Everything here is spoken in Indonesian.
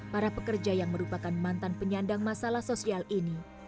para pekerja yang merupakan mantan penyandang masalah sosial ini